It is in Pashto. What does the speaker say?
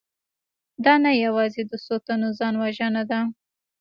دا نه یوازې د څو تنو ځانوژنه ده